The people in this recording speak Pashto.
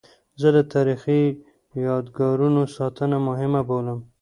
زه د تاریخي یادګارونو ساتنه مهمه بولم.